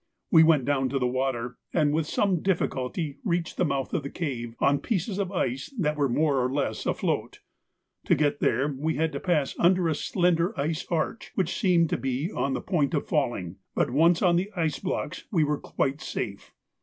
We went down to the water, and with some difficulty reached the mouth of the cave on pieces of ice that were more or less afloat. To get there we had to pass under a slender ice arch that seemed to be on the point of falling, but once on the ice blocks we were quite safe.